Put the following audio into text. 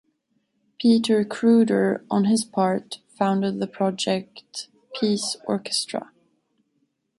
Peter Kruder, on his part, founded the project "Peace Orchestra".